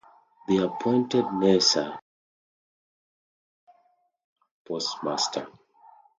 They appointed Nesser as the first postmaster.